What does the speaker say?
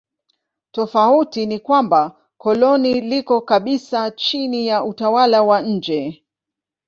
Tofauti ni kwamba koloni liko kabisa chini ya utawala wa nje.